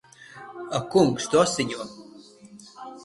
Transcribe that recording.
Ak kungs! Tu asiņo!